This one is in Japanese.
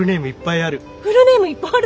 フルネームいっぱいある。